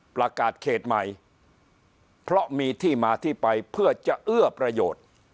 ประกาศเขตใหม่เพราะมีที่มาที่ไปเพื่อจะเอื้อประโยชน์